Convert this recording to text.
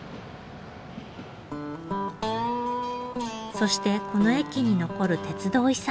そしてこの駅に残る鉄道遺産へ。